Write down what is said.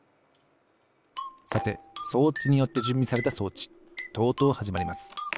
さて装置によってじゅんびされた装置とうとうはじまります。